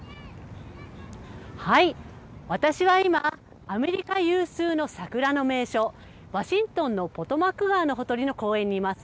私は今、アメリカ有数の桜の名所、ワシントンのポトマック川のほとりの公園にいます。